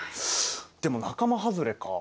でも仲間はずれか。